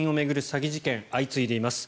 詐欺事件相次いでいます。